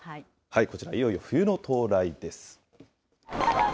こちら、いよいよ冬の到来です。